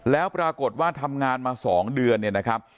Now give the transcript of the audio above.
แล้วปรากฏว่าทำงานมา๒เดือนเนี่ยนะครับ